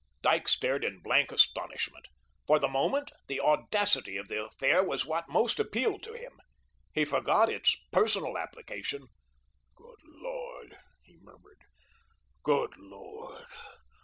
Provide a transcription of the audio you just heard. Dyke stared in blank astonishment. For the moment, the audacity of the affair was what most appealed to him. He forgot its personal application. "Good Lord," he murmured, "good Lord!